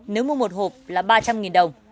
nếu mua một hộp là ba trăm linh đồng